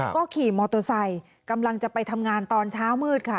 ก็ขี่มอเตอร์ไซค์กำลังจะไปทำงานตอนเช้ามืดค่ะ